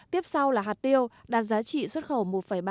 tiếp sau là hạt tiêu đạt giá trị xuất khẩu